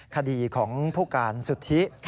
คดีของผู้การสุทธิ